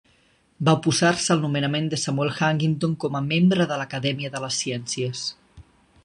Va oposar-se al nomenament de Samuel Huntington com a membre de l'Acadèmia de les Ciències.